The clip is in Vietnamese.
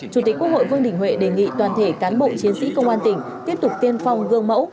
chủ tịch quốc hội vương đình huệ đề nghị toàn thể cán bộ chiến sĩ công an tỉnh tiếp tục tiên phong gương mẫu